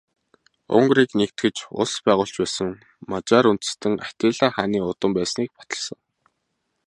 Унгарыг нэгтгэж улс байгуулж байсан Мажар үндэстэн Атилла хааны удам байсныг баталсан.